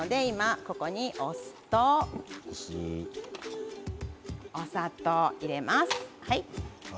ここに、お酢とお砂糖入れます。